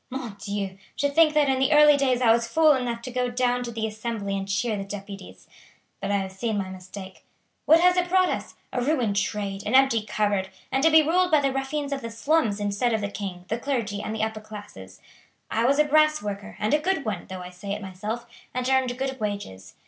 Mon Dieu! To think that in the early days I was fool enough to go down to the Assembly and cheer the deputies; but I have seen my mistake. What has it brought us? A ruined trade, an empty cupboard, and to be ruled by the ruffians of the slums instead of the king, the clergy, and the upper classes. I was a brass worker, and a good one, though I say it myself, and earned good wages.